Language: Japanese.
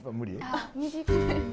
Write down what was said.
ああ短い。